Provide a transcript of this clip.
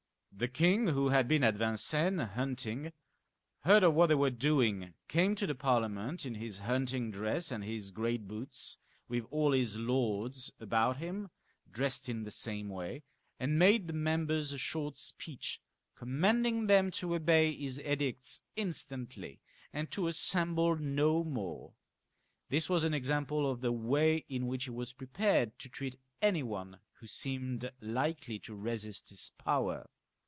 The king, who had been at Yincennes hunting, heard of what they were doing, came to the Par liament in his hunting dress and his great boots, with all his lords about him dressed in the same way, and made the members a short speech, commanding them to obey his edicts instantly, and to assemble no more. This was an example of the way in which he was prepared to treat any one who seemed likely to resist his power.